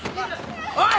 おい。